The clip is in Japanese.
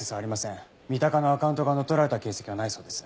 三鷹のアカウントが乗っ取られた形跡はないそうです。